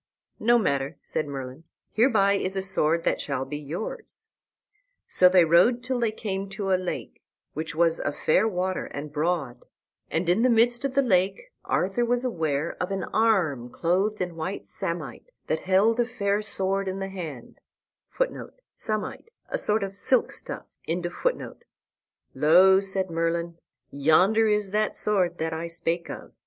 "No matter," said Merlin; "hereby is a sword that shall be yours." So they rode till they came to a lake, which was a fair water and broad. And in the midst of the lake Arthur was aware of an arm clothed in white samite, [Footnote: Samite, a sort of silk stuff.] that held a fair sword in the hand. "Lo!" said Merlin, "yonder is that sword that I spake of.